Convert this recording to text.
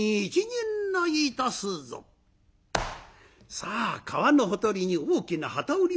さあ川のほとりに大きな機織り場が造られます。